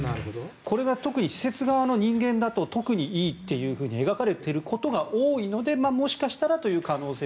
これが特に施設側の人間だと特にいいと描かれていることが多いのでもしかしたらという可能性。